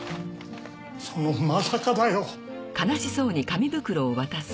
そのまさかだよ。